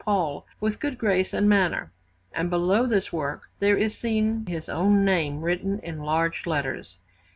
Paul, with good grace and manner, and below this work there is seen his own name written in large letters.